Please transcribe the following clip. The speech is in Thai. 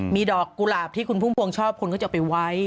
มีดอกกุหลาบที่คุณพุ่มพวงชอบคนก็จะไปไว้